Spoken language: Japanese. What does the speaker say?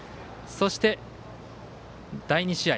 そして、第２試合